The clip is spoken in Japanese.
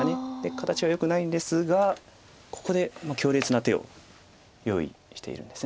形はよくないんですがここで強烈な手を用意しているんです。